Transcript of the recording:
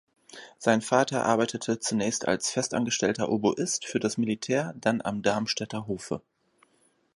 Sein Vater arbeitete zunächst als festangestellter Oboist für das Militär, dann am Darmstädter Hofe.